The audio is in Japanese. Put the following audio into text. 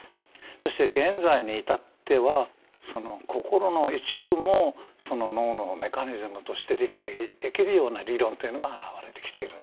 そして現在に至っては心の一部も脳のメカニズムとして理解できるような理論というのが現れてきている。